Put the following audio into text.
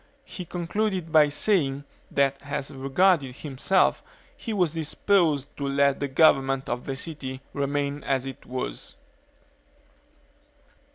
He concluded by saying, that as regarded himself, he was disposed to let the government of the city remain as it was.